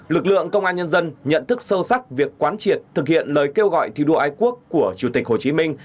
lực lượng công an nhân dân nhận thức sâu sắc việc quán triệt thực hiện lời kêu gọi thi đua ái quốc của chủ tịch hồ chí minh